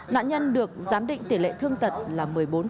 nạn nhân được giám định tỷ lệ thương tật là một mươi bốn